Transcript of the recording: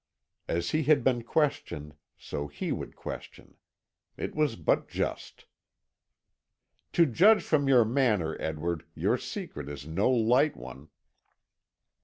As he had been questioned, so he would question. It was but just. "To judge from your manner, Edward, your secret is no light one."